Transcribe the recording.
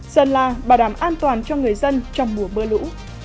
sơn la bảo đảm an toàn cho người dân trong mùa mưa lũ